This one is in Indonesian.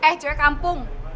eh cewek kampung